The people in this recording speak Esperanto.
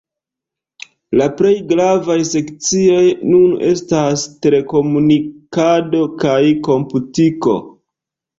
La plej gravaj sekcioj nun estas telekomunikado kaj komputiko.